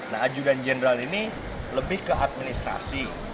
nah ajukan jenderal ini lebih ke administrasi